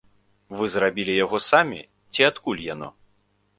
Вы зрабілі яго самі ці адкуль яно?